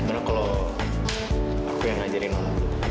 gimana kalau aku yang ngajarin non